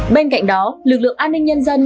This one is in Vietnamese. bên cạnh đó lực lượng an ninh nhân dân